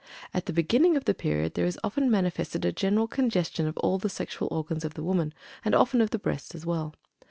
At the beginning of the period there is often manifested a general congestion of all of the sexual organs of the woman, and often of the breasts as well.